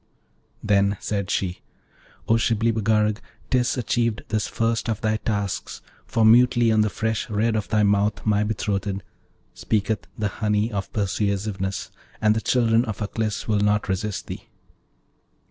Then said she, 'O Shibli Bagarag, 'tis achieved, this first of thy tasks; for mutely on the fresh red of thy mouth, my betrothed, speaketh the honey of persuasiveness, and the children of Aklis will not resist thee.'